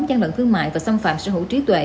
gian lận thương mại và xâm phạm sở hữu trí tuệ